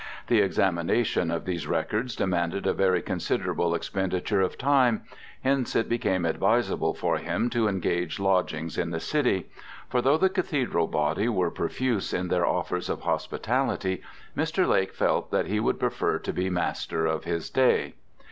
The examination of these records demanded a very considerable expenditure of time: hence it became advisable for him to engage lodgings in the city: for though the Cathedral body were profuse in their offers of hospitality, Mr. Lake felt that he would prefer to be master of his day.